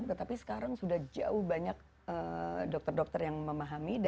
tetapi sekarang sudah jauh banyak dokter dokter yang memahami